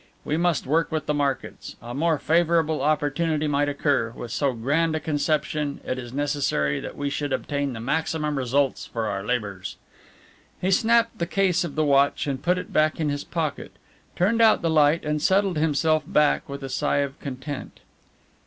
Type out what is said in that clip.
We must work with the markets. A more favourable opportunity might occur with so grand a conception it is necessary that we should obtain the maximum results for our labours." He snapped the case of the watch and put it back in his pocket, turned out the light and settled himself back with a sigh of content.